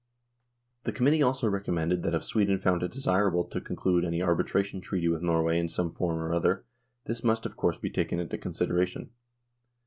The Committee also recommended that if Sweden found it desirable to conclude any arbitration treaty with Norway in some form or other this must, of course, be taken into consideration.